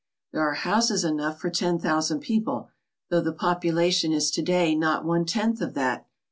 There are houses enough for ten thousand people, though the population is to day not one tenth of that.